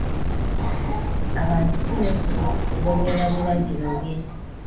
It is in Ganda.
Abantu si beetegefu kugoberera biragiro bye.